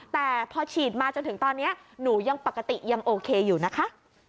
แต่พอฉีดมาจนถึงตอนนี้หนูยังปกติยังโอเคอยู่นะคะ